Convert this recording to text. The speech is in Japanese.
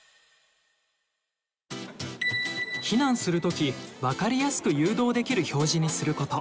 避難する時わかりやすく誘導できる表示にすること。